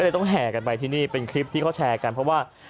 ต้องแห่กันไปที่นี่เป็นคลิปที่เขาแชร์กันเพราะว่า